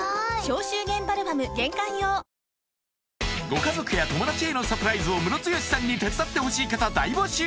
ご家族や友達へのサプライズをムロツヨシさんに手伝ってほしい方大募集